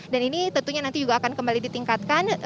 dan ini tentunya nanti juga akan kembali ditingkatkan